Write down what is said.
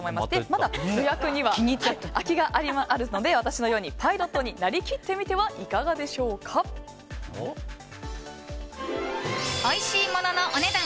まだ予約には空きがあるので私のようにパイロットになりきってみてはおいしいもののお値段